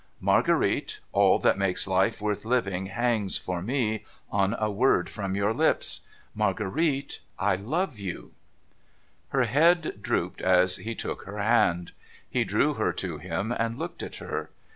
Marguerite ! all that makes life worth having hangs, for me, on a word from your lips. Marguerite I I love you 1 ' AN OPPORTUNITY IMPROVED 521 Her head drooped as he took her hand. He drew her to him, and looked at her.